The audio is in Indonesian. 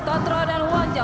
tatra dan huanca